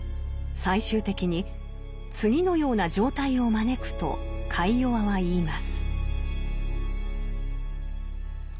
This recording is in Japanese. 最終的に次のような状態を招くとカイヨワは言います。